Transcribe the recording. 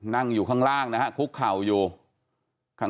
นั่งอยู่ข้างล่างนะฮะคุกเข่าอยู่ข้าง